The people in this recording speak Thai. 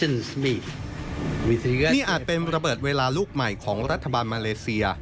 นี่อาจเป็นระเบิดเวลาลูกใหม่ของรัฐบาลมาเลเซีย